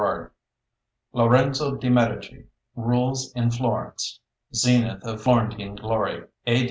] LORENZO DE' MEDICI RULES IN FLORENCE ZENITH OF FLORENTINE GLORY A.